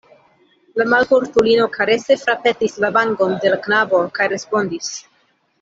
La malfortulino karese frapetis la vangon de la knabo kaj respondis: